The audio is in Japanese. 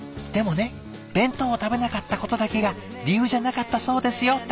でもね弁当を食べなかったことだけが理由じゃなかったそうですよ